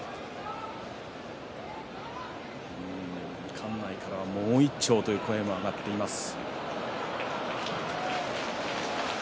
館内から、もう一丁！という声も上がっています。